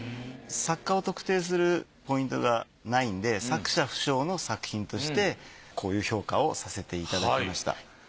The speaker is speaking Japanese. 作家を特定するポイントがないんで作者不詳の作品としてこういう評価をさせていただきました。